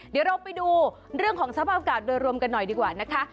เดี๋ยวเราไปดูเรื่องของสภาพอากาศโดยรวมกันหน่อยดีกว่านะคะ